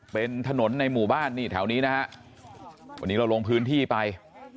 เป็นถนนในหมู่บ้านนี่แถวนี้นะฮะวันนี้เราลงพื้นที่ไป